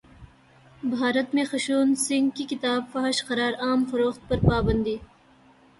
بھارت میں خشونت سنگھ کی کتاب فحش قرار عام فروخت پر پابندی